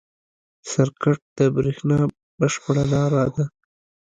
سرکټ د برېښنا بشپړ لاره ده.